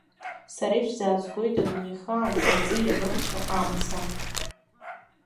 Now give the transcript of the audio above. Сара ишәзаазгоит адунеихаан аӡы иамырцәо амца.